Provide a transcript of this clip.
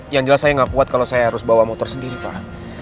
yang jelas saya nggak kuat kalau saya harus bawa motor sendiri pak